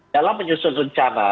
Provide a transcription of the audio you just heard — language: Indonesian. dalam menyusun rencana